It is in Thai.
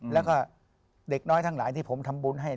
แล้วก็เด็กน้อยทั้งหลายที่ผมทำบุญให้